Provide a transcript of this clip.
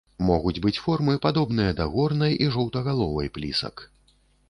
Могуць быць формы, падобныя да горнай і жоўтагаловай плісак.